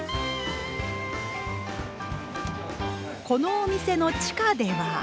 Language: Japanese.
このお店の地下では。